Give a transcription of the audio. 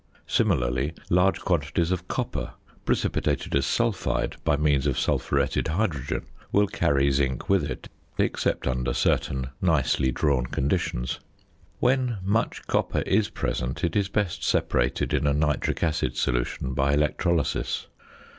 Similarly, large quantities of copper precipitated as sulphide by means of sulphuretted hydrogen will carry zinc with it, except under certain nicely drawn conditions. When much copper is present it is best separated in a nitric acid solution by electrolysis.